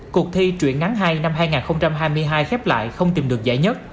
cuộc thi truyện ngắn hay năm hai nghìn hai mươi hai khép lại không tìm được giải nhất